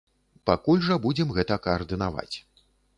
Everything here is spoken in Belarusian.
Пакуль жа будзем гэта каардынаваць.